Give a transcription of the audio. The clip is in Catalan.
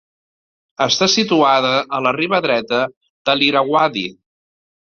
Està situada a la riba dreta de l'Irauadi.